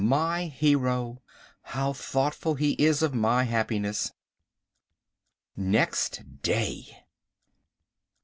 My hero! How thoughtful he is of my happiness. Next Day.